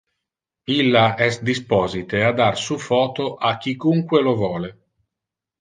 Illa es disposite a dar su photo a quicunque lo vole.